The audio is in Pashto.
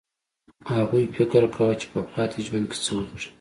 هغوی فکر کاوه چې په پاتې ژوند کې څه وکړي